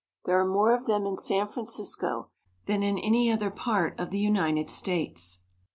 There are more of them in San Francisco than in any other part of the United States.